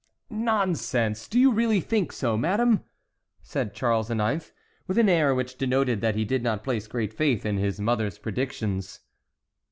"Nonsense! Do you really think so, madame?" said Charles IX., with an air which denoted that he did not place great faith in his mother's predictions.